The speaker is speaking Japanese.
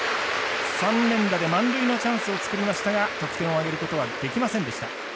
三連打で満塁のチャンスを作りましたが得点を挙げることはできませんでした。